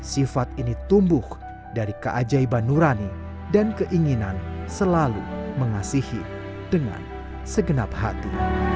sifat ini tumbuh dari keajaiban nurani dan keinginan selalu mengasihi dengan segenap hati